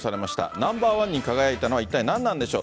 ナンバー１に輝いたのは一体何なんでしょう。